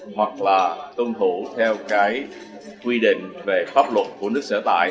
hoặc là tuân thủ theo cái quy định về pháp luật của nước sở tại